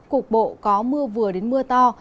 cục bộ có mưa vừa đến mưa to